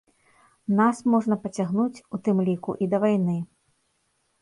Нас можа пацягнуць, у тым ліку, і да вайны.